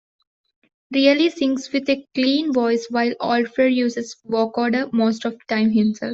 Reilly sings with a clean voice while Oldfield uses vocoder most of time himself.